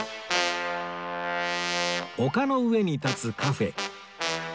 丘の上に立つカフェ